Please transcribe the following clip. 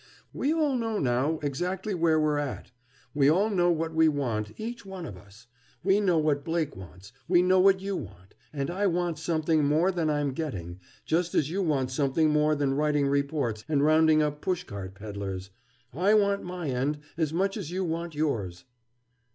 "We all know, now, exactly where we're at. We all know what we want, each one of us. We know what Blake wants. We know what you want. And I want something more than I'm getting, just as you want something more than writing reports and rounding up push cart peddlers. I want my end, as much as you want yours."